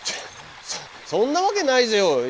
そそんなわけないぜよ！